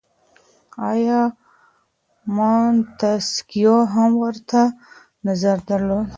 آیا منتسکیو هم ورته نظر درلود؟